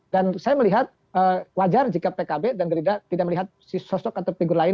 dan saya melihat wajar jika pkb dan gerinda tidak melihat sosok atau figur lain